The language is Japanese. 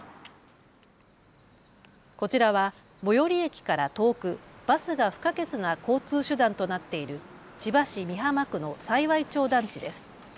こちらは最寄り駅から遠くバスが不可欠な交通手段となっている千葉市美浜区の幸町団地です。